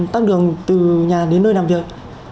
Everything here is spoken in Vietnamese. tắt đường từ nhà đến nơi làm việc